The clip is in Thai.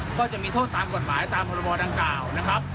ก็จะมีโทษตามกฎหมายตามพรบดังกล่าวนะครับ